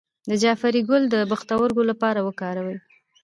د جعفری ګل د پښتورګو لپاره وکاروئ